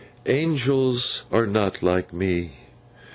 Angels are not like me.